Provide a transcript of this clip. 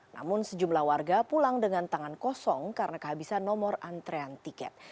namun sejumlah warga pulang dengan tangan kosong karena kehabisan nomor antrean tiket